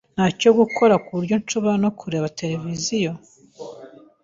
Ntacyo gukora, kuburyo nshobora no kureba televiziyo.